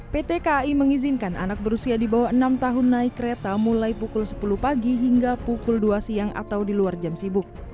pt kai mengizinkan anak berusia di bawah enam tahun naik kereta mulai pukul sepuluh pagi hingga pukul dua siang atau di luar jam sibuk